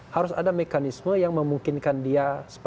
harus ada mekanisme yang memungkinkan dia